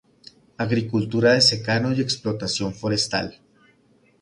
Agricultura de secano y explotación forestal.